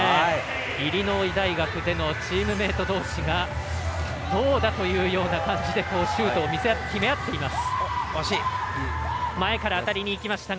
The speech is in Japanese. イリノイ大学でのチームメートどうしがどうだという感じでシュートを決め合っています。